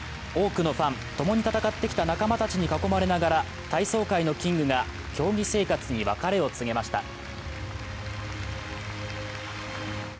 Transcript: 多くのファン、共に戦ってきた仲間たちに囲まれながら体操界のキングが競技生活に別れを告げました。